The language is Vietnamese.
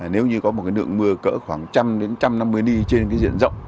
nếu như có một nượng mưa cỡ khoảng một trăm linh một trăm năm mươi ni trên diện rộng